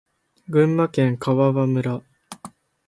群馬県川場村